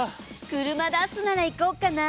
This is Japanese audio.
車出すなら行こうかな。